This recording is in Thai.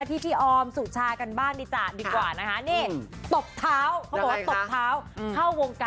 ออกไปกันที่พี่ออมสุชากันบ้างดีกว่านะคะ